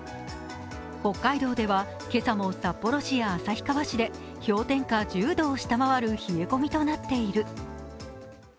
北海道では今朝も札幌市や旭川市で、氷点下１０度を下回る冷え込みとなっている。